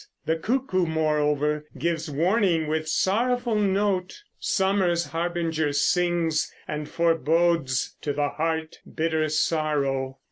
The cuckoo, moreover, gives warning with sorrowful note, Summer's harbinger sings, and forebodes to the heart bitter sorrow.